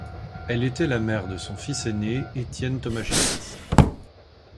Elle était la mère de son fils ainé Étienne Tomašević.